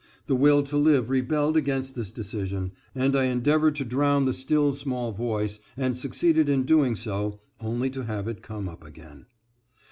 The will to live rebelled against this decision, and I endeavored to drown the still small voice, and succeeded in doing so, only to have it come up again.